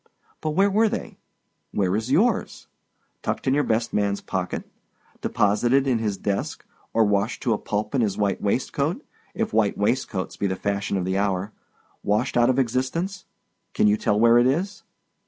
But where were they? Where is yours? Tucked in your best man's pocket; deposited in his desk—or washed to a pulp in his white waistcoat (if white waistcoats be the fashion of the hour), washed out of existence—can you tell where it is?